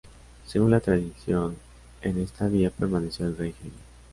Según la tradición, en esta villa permaneció el rey Jaime.